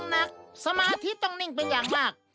มีมีมีน้องเคยดูมีหรือเปล่า